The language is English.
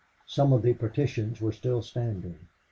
Some of the partitions were still standing.